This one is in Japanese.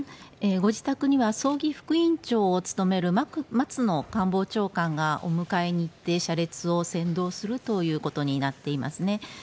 ご自宅には葬儀副委員長を務める松野官房長官がお迎えに行って車列を先導するということになっていますね。